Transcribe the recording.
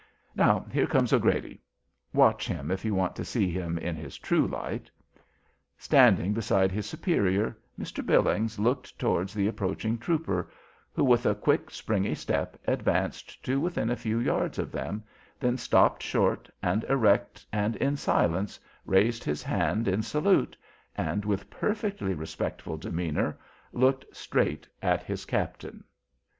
Now, here comes O'Grady. Watch him, if you want to see him in his true light." Standing beside his superior, Mr. Billings looked towards the approaching trooper, who, with a quick, springy step, advanced to within a few yards of them, then stopped short and, erect and in silence, raised his hand in salute, and with perfectly respectful demeanor looked straight at his captain.